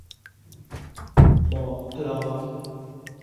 หมอพร้อม